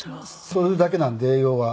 それだけなんで栄養は。